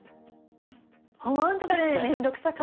ほんとこれね面倒くさかったの。